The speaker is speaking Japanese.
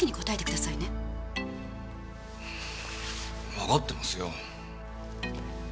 わかってますよ。